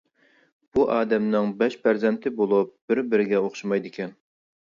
بۇ ئادەمنىڭ بەش پەرزەنتى بولۇپ بىر بىرىگە ئوخشىمايدىكەن.